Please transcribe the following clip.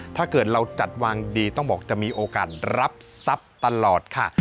ถ้าเกิดเราจัดวางดีต้องบอกจะมีโอกาสรับทรัพย์ตลอดค่ะ